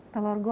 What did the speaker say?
telur goreng ya